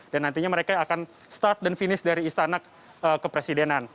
dan nantinya mereka akan start dan finish dari istana ke presidenan